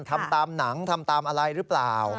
ทำตามหนังทำตามอะไรหรือเปล่า